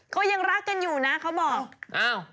เขายังรักกันอยู่นะเขาบอก